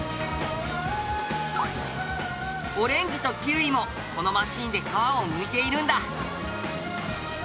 オレンジとキウイもこのマシンで皮をむいているんだ。